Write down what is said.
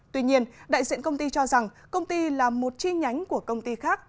tuy nhiên đại diện công ty cho rằng công ty là một chi nhánh của công ty khác